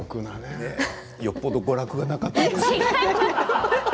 よっぽど娯楽がなかったんですね。